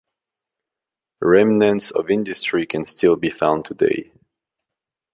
Remnants of industry can still be found today.